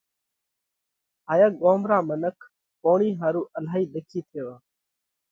ھايا ڳوم را منک پوڻِي ۿارُو الھائي ۮکي ٿيوا